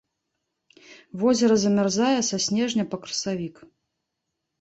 Возера замярзае са снежня па красавік.